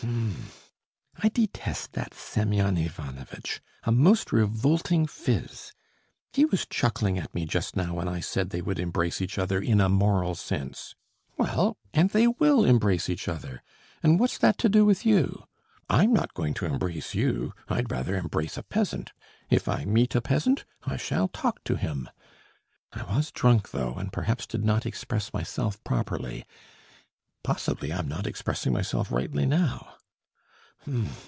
H'm! I detest that Semyon Ivanovitch; a most revolting phiz. He was chuckling at me just now when I said they would embrace each other in a moral sense. Well, and they will embrace each other, and what's that to do with you? I am not going to embrace you; I'd rather embrace a peasant.... If I meet a peasant, I shall talk to him. I was drunk, though, and perhaps did not express myself properly. Possibly I am not expressing myself rightly now....